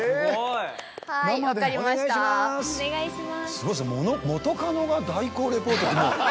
すごいですね元カノが代行リポート。